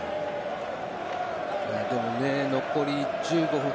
でもね、残り１５分